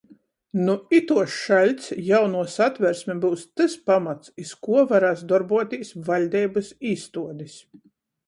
Nu ituos šaļts jaunuo Satversme byus tys pamats, iz kuo varēs dorbuotīs vaļdeibys īstuodis